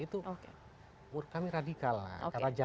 menurut kami radikal